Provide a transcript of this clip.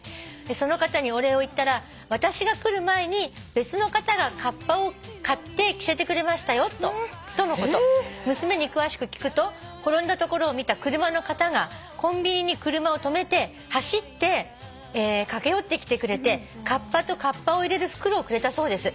「その方にお礼を言ったら『私が来る前に別の方がかっぱを買って着せてくれましたよ』とのこと」「娘に詳しく聞くと転んだところを見た車の方がコンビニに車を止めて走って駆け寄ってきてくれてかっぱとかっぱを入れる袋をくれたそうです」